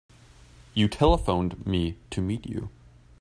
You telephoned me to meet you.